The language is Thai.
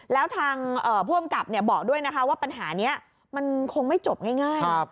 แล้วทางผู้อำกับบอกด้วยนะคะว่าปัญหานี้มันคงไม่จบง่าย